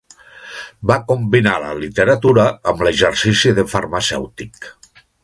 Va combinar la literatura amb l'exercici de farmacèutic.